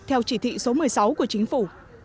theo chỉ thị số một mươi sáu của chính phủ